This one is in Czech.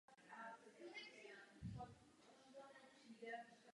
Zaměřím se na transparentnost, o které jsem vypracoval zprávu.